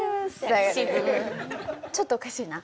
ちょっとおかしいな。